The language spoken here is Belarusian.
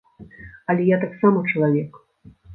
Але я таксама чалавек.